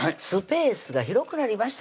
スペースが広くなりましたね